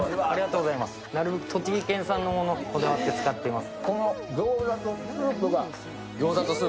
なるべく栃木県産のものにこだわって使っています。